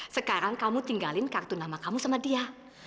sekarang kamu tinggalin kartu nama kamu sama dia